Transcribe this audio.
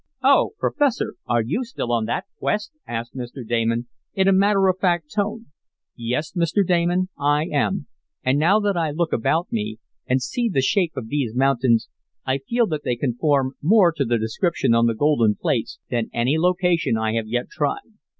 "Oh, Professor, are you still on that quest?" asked Mr. Damon, in a matter of fact tone. "Yes, Mr. Damon, I am. And now that I look about me, and see the shape of these mountains, I feel that they conform more to the description on the golden plates than any location I have yet tried.